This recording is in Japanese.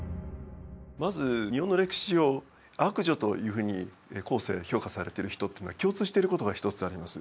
まず日本の歴史上悪女というふうに後世評価されてる人っていうのは共通してることが一つあります。